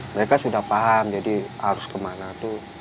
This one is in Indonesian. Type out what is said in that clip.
mereka sudah paham jadi harus kemana tuh